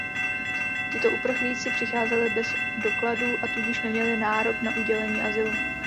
Tito uprchlíci přicházeli bez dokladů a tudíž neměli nárok na udělení azylu.